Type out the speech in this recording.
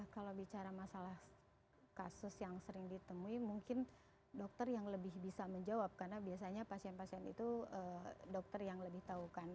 kalau bicara masalah kasus yang sering ditemui mungkin dokter yang lebih bisa menjawab karena biasanya pasien pasien itu dokter yang lebih tahu kan